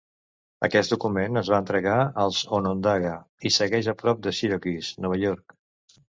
Aquest document es va entregar als onondaga i segueix a prop de Syracuse, Nova York.